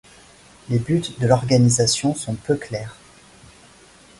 Les buts de l'organisation sont peu clairs.